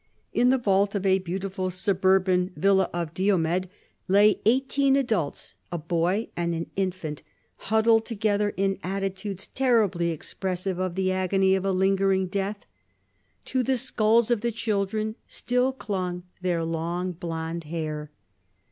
In the vault of a beautiful suburban villa of Diomed, lay eighteen adults, a boy, and an infant, huddled together in attitudes terribly expressive of the agony of a lingering death. To the skulls of the children still clung their long, blonde hair.